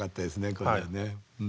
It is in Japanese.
これはね。